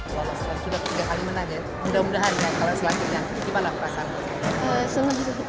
walau sudah tiga kali menang mudah mudahan kalau selanjutnya bagaimana perasaan